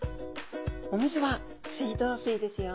お水は水道水ですよ。